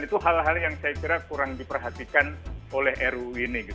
itu hal hal yang saya kira kurang diperhatikan oleh ru ini